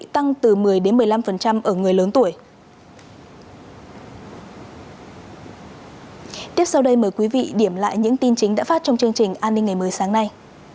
tiếp sau đây mời quý vị điểm lại những tin chính đã phát trong chương trình an ninh ngày mới sáng nay